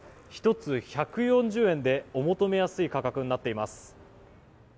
１つ１４０円でお求めやすい価格になっています。